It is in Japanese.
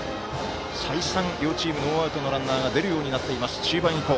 再三、両チーム、ノーアウトのランナーが出るようになっている中盤以降。